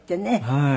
はい。